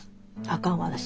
あかん私。